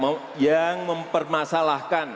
bagi yang mengganggu pancasila